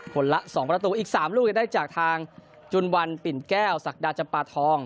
ละ๒ประตูอีก๓ลูกจะได้จากทางจุนวันปิ่นแก้วศักดาจำปาทอง